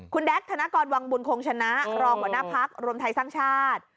คุณแด๊กธนกรวังบุญคงชนะรองหัวหน้าพักรวมไทยสร้างชาติ